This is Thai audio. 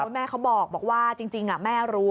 แม่เขาบอกว่าจริงแม่รู้